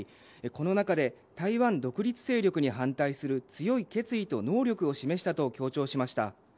この中で台湾独立勢力に反対する強い決意と能力を示したと演説しました。